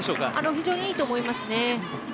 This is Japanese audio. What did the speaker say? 非常にいいと思いますね。